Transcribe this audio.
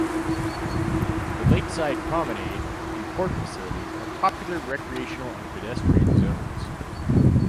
The lakeside promenade and the port facilities are popular recreational and pedestrian zones.